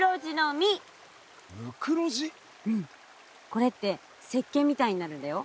これって石けんみたいになるんだよ。